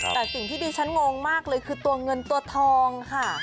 แต่สิ่งที่ดิฉันงงมากเลยคือตัวเงินตัวทองค่ะ